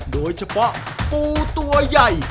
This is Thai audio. โดยเฉพาะปูตัวใหญ่